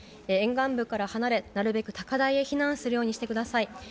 沿岸部から離れなるべく高台へ避難するようにしてください。